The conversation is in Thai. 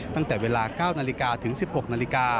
ตั้งแต่เวลา๙นถึง๑๖น